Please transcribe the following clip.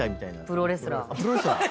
プロレスラー。